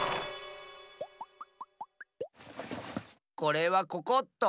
これはここっと。